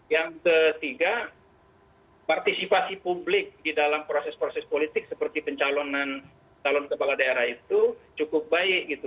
yang ketiga partisipasi publik di dalam proses proses politik seperti pencalonan calon kepala daerah itu cukup baik gitu